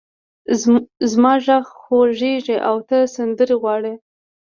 زما غږ خوږېږې او ته سندرې غواړې!